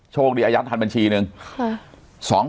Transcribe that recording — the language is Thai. โชคดีอายัดทันบัญชีหนึ่ง